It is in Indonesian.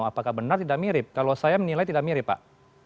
apakah benar tidak mirip kalau saya menilai tidak mirip pak